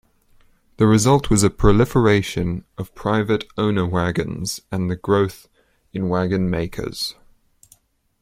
The result was a proliferation of private owner wagons, and growth in wagon makers.